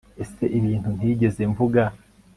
ese ibintu ntigeze mvuga